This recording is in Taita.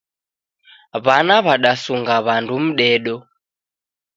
Wana wadasunga wandu mdedo